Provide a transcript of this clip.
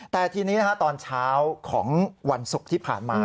แต่ทีนี้ตอนเช้าของวันศุกร์ที่ผ่านมา